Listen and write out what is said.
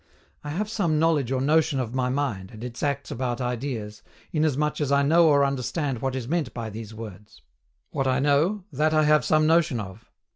I have some knowledge or notion of my mind, and its acts about ideas, inasmuch as I know or understand what is meant by these words. What I know, that I have some notion of.